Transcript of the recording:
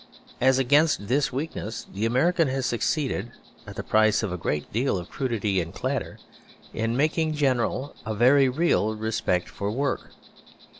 As against this weakness the American has succeeded, at the price of a great deal of crudity and clatter, in making general a very real respect for work.